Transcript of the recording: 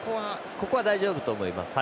ここは大丈夫だと思います。